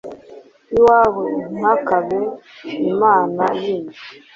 iwawe ntihakabe imana yindi